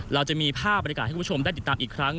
เราจะมีภาพบรรยากาศให้คุณผู้ชมได้ติดตามอีกครั้ง